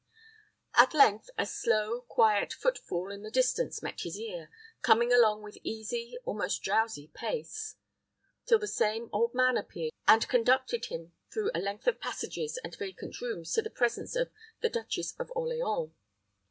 At length a slow, quiet footfall in the distance met his ear, coming along with easy, almost drowsy pace, till the same old man appeared, and conducted him through a length of passages and vacant rooms to the presence of the Duchess of Orleans.